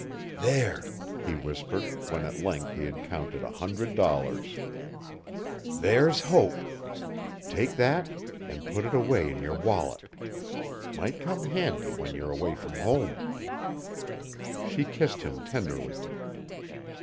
'There!' he whispered, when at length he had counted a hundred dollars. 'There Hope! take thet an' put it away in yer wallet. Might come handy when ye're 'way fr'm hum.' She kissed him tenderly.